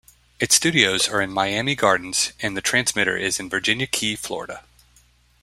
Its studios are in Miami Gardens and the transmitter is in Virginia Key, Florida.